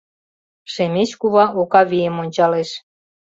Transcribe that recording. Шемеч кува Окавийым ончалеш.